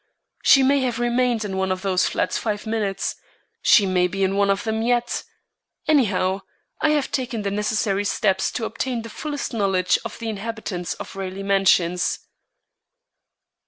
She may have remained in one of those flats five minutes. She may be in one of them yet. Anyhow, I have taken the necessary steps to obtain the fullest knowledge of the inhabitants of Raleigh Mansions."